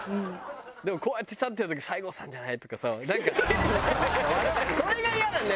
でもこうやって立ってる時西郷さんじゃない？とかさなんかそれがイヤなんだよな。